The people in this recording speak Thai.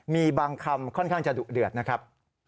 มีบางคำค่อนข้างจะดุเดือดนะครับ